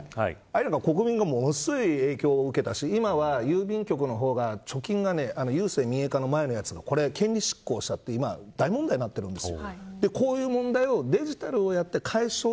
あれで国民がものすごい影響を受けたし今は郵便局が貯金が郵政民営化の前のやつが権利失効しちゃって大問題になってるんです。